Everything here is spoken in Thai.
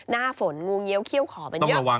หน้าฝนงูเงี้ยเขี้ยวขอมันเยอะ